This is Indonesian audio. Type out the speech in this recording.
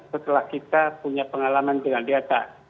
setelah kita punya pengalaman dengan delta